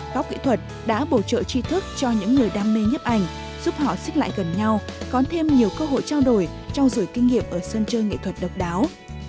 góc kỹ thuật đã bổ trợ chi thức cho những người đam mê nhấp ảnh giúp họ xích lại gần nhau có thêm nhiều cơ hội trao đổi trao rủi kinh nghiệm ở sân chơi nghệ thuật độc đáo